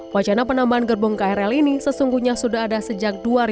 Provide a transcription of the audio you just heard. wacana penambahan gerbong krl ini sesungguhnya sudah ada sejak dua ribu dua